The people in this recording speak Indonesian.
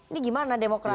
ini gimana demokrasi